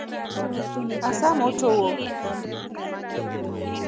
Asa motro wo.